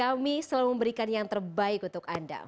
kami selalu memberikan yang terbaik untuk anda